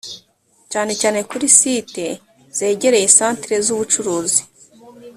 cyane cyane kuri site zegereye centre z ubucuruzi